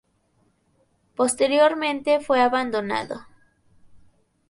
Posteriormente fue abandonado.